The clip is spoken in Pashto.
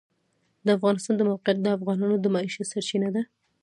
د افغانستان د موقعیت د افغانانو د معیشت سرچینه ده.